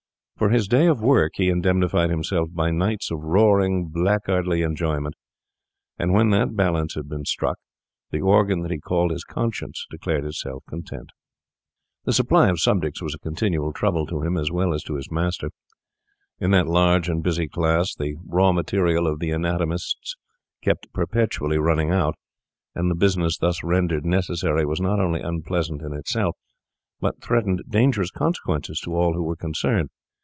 For his day of work he indemnified himself by nights of roaring, blackguardly enjoyment; and when that balance had been struck, the organ that he called his conscience declared itself content. The supply of subjects was a continual trouble to him as well as to his master. In that large and busy class, the raw material of the anatomists kept perpetually running out; and the business thus rendered necessary was not only unpleasant in itself, but threatened dangerous consequences to all who were concerned.